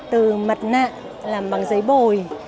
từ mặt nạ làm bằng giấy bồi